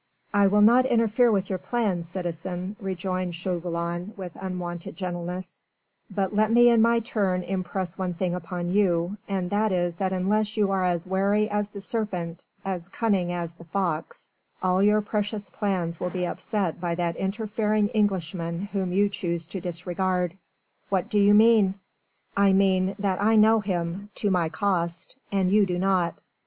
"I will not interfere with your plans, citizen," rejoined Chauvelin with unwonted gentleness, "but let me in my turn impress one thing upon you, and that is that unless you are as wary as the serpent, as cunning as the fox, all your precious plans will be upset by that interfering Englishman whom you choose to disregard." "What do you mean?" "I mean that I know him to my cost and you do not.